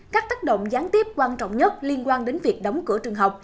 các tác động gián tiếp quan trọng nhất liên quan đến việc đóng cửa trường học